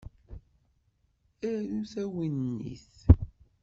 Arut awennit.